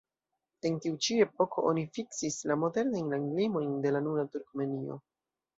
En tiu ĉi epoko oni fiksis la modernajn landlimojn de la nuna Turkmenio.